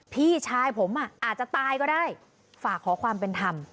พี่ชายผมอาจจะตายก็ได้ฝากขอความเป็นธรรม